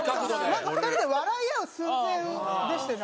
なんか２人で笑い合う寸前でしたよね。